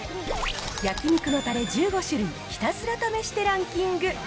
焼肉のたれ１５種類ひたすら試してランキング。